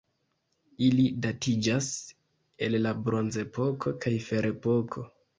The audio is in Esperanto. Ili datiĝas el la bronzepoko kaj ferepoko.